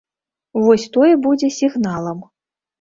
Вось тое будзе сігналам.